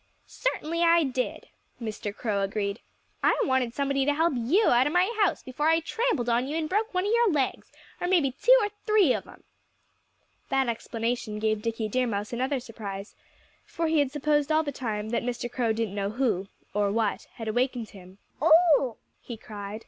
"Certainly I did," Mr. Crow agreed. "I wanted somebody to help you out of my house, before I trampled on you and broke one of your legs or maybe two or three of 'em." That explanation gave Dickie Deer Mouse another surprise; for he had supposed all the time that Mr. Crow didn't know who or what had awakened him. "Oh!" he cried.